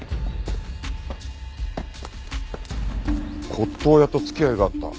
骨董屋と付き合いがあった？